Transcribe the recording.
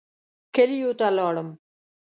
کلیو ته لاړم.